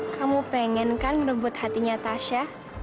kamu pengen kan merebut hatinya tasha